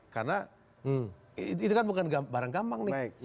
karena ini kan bukan barang gampang nih